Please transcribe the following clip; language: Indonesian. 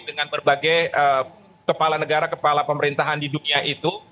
dengan berbagai kepala negara kepala pemerintahan di dunia itu